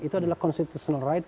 itu adalah constitutional right